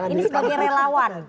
ini sebagai relawan